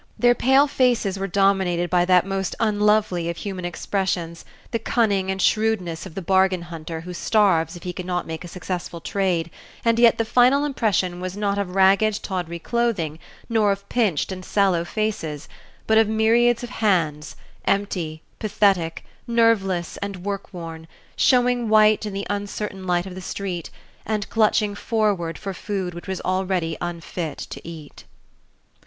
Their pale faces were dominated by that most unlovely of human expressions, the cunning and shrewdness of the bargain hunter who starves if he cannot make a successful trade, and yet the final impression was not of ragged, tawdry clothing nor of pinched and sallow faces, but of myriads of hands, empty, pathetic, nerveless and workworn, showing white in the uncertain light of the street, and clutching forward for food which was already unfit to eat.